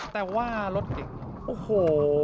แต่ว่ารถเก่งโอ้โห